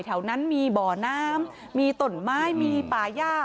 แถวนั้นมีบ่อน้ำมีต้นไม้มีป่าย่า